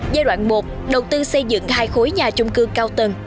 giai đoạn một đầu tư xây dựng hai khối nhà chung cư cao tầng